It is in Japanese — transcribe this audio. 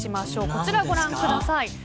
こちらご覧ください。